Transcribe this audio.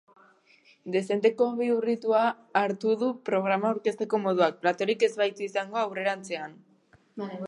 Dezenteko bihurritua hartuko du programa aurkezteko moduak, platorik ez baitu izango aurrerantzean.